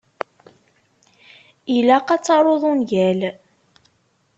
Ilaq ad taruḍ ungal.